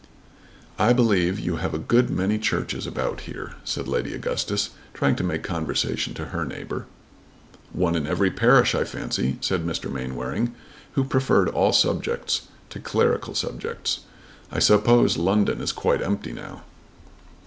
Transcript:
"I believe you have a good many churches about here," said Lady Augustus trying to make conversation to her neighbour. "One in every parish, I fancy," said Mr. Mainwaring, who preferred all subjects to clerical subjects. "I suppose London is quite empty now."